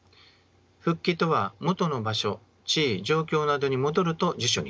復帰とは元の場所地位状況などに戻ると辞書に書かれています。